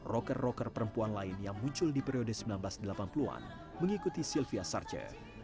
rocker rocker perempuan lain yang muncul di periode seribu sembilan ratus delapan puluh an mengikuti sylvia sarce